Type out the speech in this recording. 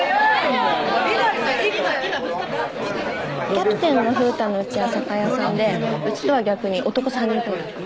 キャプテンの風太のうちは酒屋さんでうちとは逆に男３人兄弟。